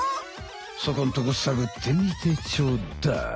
そこんとこさぐってみてちょうだい。